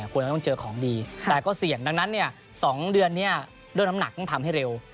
ควรจะต้องเจอของดีแต่ก็เสี่ยงดังนั้น๒เดือนนี้ด้วยน้ำหนักต้องทำให้เร็ว